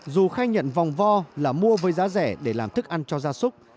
dù khai nhận vòng vo là mua với giá rẻ để làm thức ăn cho gia súc